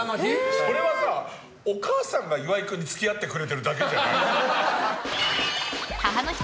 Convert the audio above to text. それはさお母さんが岩井君に付き合ってくれてるだけじゃない？